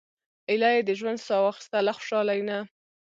ایله یې د ژوند سا واخیسته له خوشالۍ نه.